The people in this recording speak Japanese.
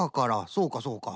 そうかそうか。